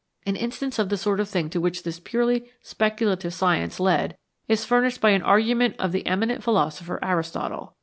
An instance of the sort of thing to which this purely speculative science led is furnished by an argument of the eminent philosopher Aristotle.